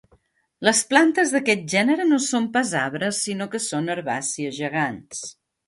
Les plantes d'aquest gènere no són pas arbres sinó que són herbàcies gegants.